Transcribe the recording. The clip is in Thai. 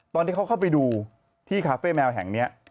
ตอนที่เขาเข้าไปดูที่คาเฟ่แมวแห่งนี้